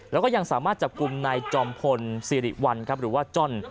แล้วก็ยังสามารถจับกลุ่มนายจอมพลสิริวัลหรือว่าจ้อน